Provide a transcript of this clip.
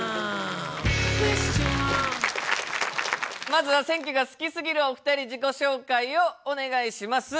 まずは選挙が好きすぎるお二人自己紹介をお願いします。